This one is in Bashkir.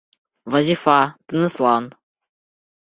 Вазифа, тыныслан!